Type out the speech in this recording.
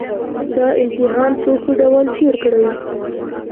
دا امتحان په ښه ډول تېر کړئ